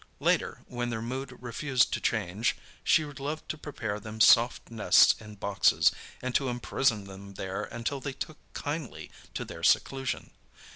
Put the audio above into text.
Later, when their mood refused to change, she loved to prepare them soft nests in boxes, and to imprison them there until they took kindly to their seclusion.